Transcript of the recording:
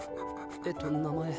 えっと名前。